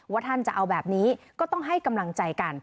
ท่านจะเอาแบบนี้ก็ต้องให้กำลังใจกัน